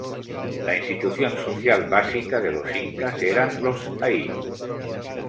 La institución social básica de los incas eran los "ayllus".